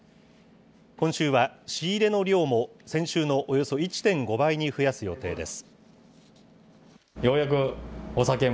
今週は仕入れの量も、先週のおよそ１．５倍に増やす予定です。